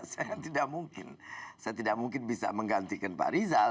saya tidak mungkin bisa menggantikan pak rizal